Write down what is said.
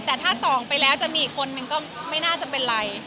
แต่ถ้าส่องไปแล้วจะมีอีกคนนึงก็ไม่น่าจะเป็นไร